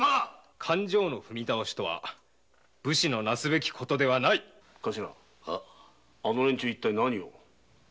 ⁉勘定の踏み倒しとは武士のなすべき事ではないあの連中は何を？